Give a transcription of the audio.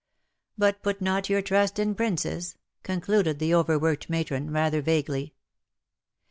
But put not your trust in princes/^ concluded the overworked matron, rather vaguely.